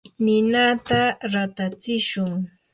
ninata ratatsishun.